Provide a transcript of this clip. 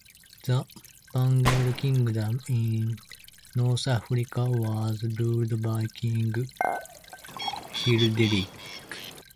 The Vandal Kingdom in North Africa was ruled by King Hilderic.